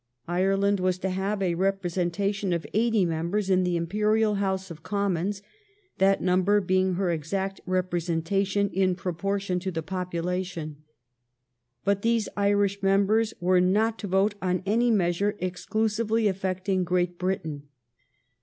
Ireland was to have a rep resentation of eighty members in the Imperial House of Commons, that number being her exact • representation in proportion to the population. But these Irish members were not to vote on any measure exclusively affecting Great Britain.